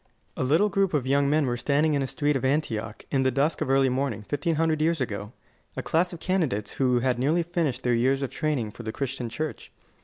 A little group of young men were standing in a street of Antioch, in the dusk of early morning, fifteen hundred years ago a class of candidates who had nearly finished their years of training for the Christian church.